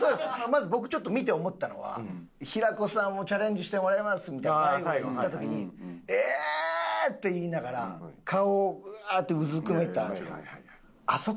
まず僕ちょっと見て思ったのは「平子さんもチャレンジしてもらいます」みたいな大悟が言った時に「ええー！」って言いながら顔をワーッてうずくめた。